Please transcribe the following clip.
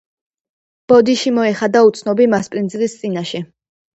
ბოდიში მოეხადა უცნობი მასპინძლის წინაშე.